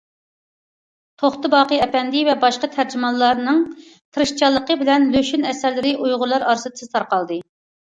توختى باقى ئەپەندى ۋە باشقا تەرجىمانلارنىڭ تىرىشچانلىقى بىلەن، لۇشۈن ئەسەرلىرى ئۇيغۇرلار ئارىسىدا تېز تارقالدى.